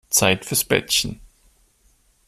Zeit fürs Bettchen.